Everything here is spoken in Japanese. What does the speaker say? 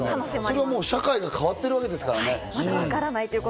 それは社会が変わってるわけですからね。